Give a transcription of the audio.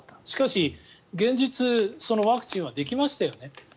しかし、現実ワクチンはできましたよね。